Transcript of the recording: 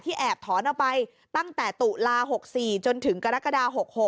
แอบถอนเอาไปตั้งแต่ตุลา๖๔จนถึงกรกฎา๖๖